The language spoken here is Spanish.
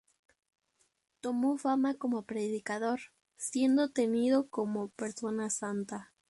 Tomó fama como predicador, siendo tenido como persona santa.